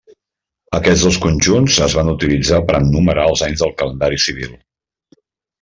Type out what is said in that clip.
Aquests dos conjunts es van utilitzar per enumerar els anys del calendari civil.